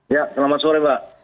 ya selamat sore mbak